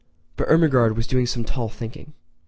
But Ermengarde was doing some tall thinking.